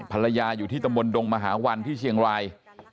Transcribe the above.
ภรรยาอยู่ที่ตำบลดงมหาวันที่เชียงราย